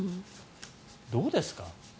どうですか？